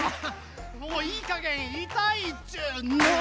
もういいかげんいたいっちゅうの！